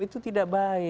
itu tidak baik